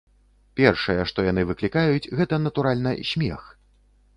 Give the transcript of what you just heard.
Першае, што яны выклікаюць, гэта, натуральна, смех.